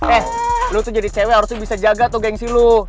eh lo tuh jadi cewe harusnya bisa jaga tuh gengsi lo